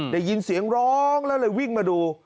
ได้ยินเสียงร้องแล้วเลยวิ่งมาดู